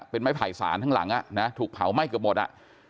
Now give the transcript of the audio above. เป็นไม้ไผ่สารทั้งหลังถูกเผาไหม้เกือบหมดอ่ะ